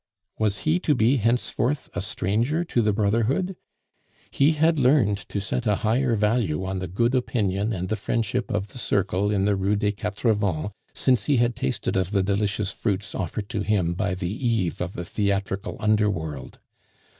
Was he to be henceforth a stranger to the brotherhood? He had learned to set a higher value on the good opinion and the friendship of the circle in the Rue des Quatre Vents since he had tasted of the delicious fruits offered to him by the Eve of the theatrical underworld.